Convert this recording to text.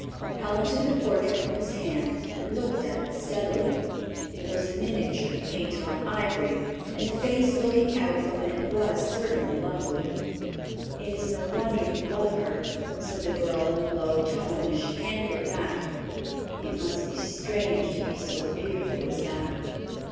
Helen took the portrait from his hand and looked at it steadily. It was a miniature painted on ivory, and the face looking out from it was certainly lovely. "It is no wonder you love her," said the girl in a low tone as she handed it back. "It must be strange to be so beautiful as that."